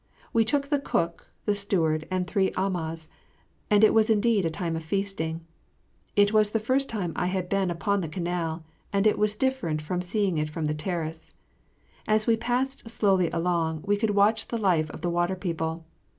We took the cook, the steward and three amahs, and it was indeed a time of feasting. It was the first time I had been upon the canal, and it was different from seeing it from the terrace. As we passed slowly along we could watch the life of the water people.